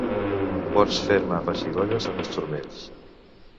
Pots fer-me pessigolles en els turmells.